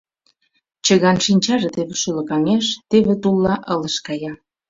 Чыган шинчаже теве шӱлыкаҥеш, теве тулла ылыж кая.